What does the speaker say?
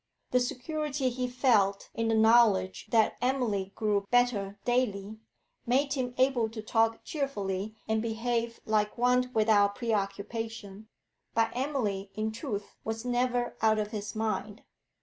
The security he felt in the knowledge that Emily grew better daily made him able to talk cheerfully and behave like one without preoccupation, but Emily in truth was never out of his mind.